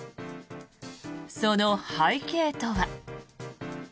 その背景とは。